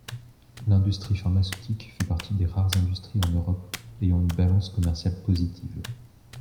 L’industrie pharmaceutique fait partie des rares industries en Europe ayant une balance commerciale positive.